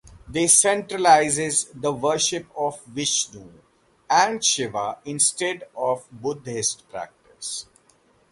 They centralizes the worship of Vishnu and Shiva instead of Buddhist practice.